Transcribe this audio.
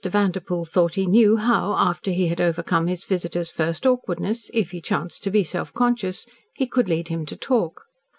Vanderpoel thought he knew how, after he had overcome his visitor's first awkwardness if he chanced to be self conscious he could lead him to talk.